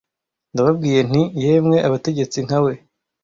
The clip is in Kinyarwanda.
ndababwiye nti yemwe abategetsi nka we